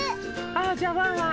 じゃあワンワン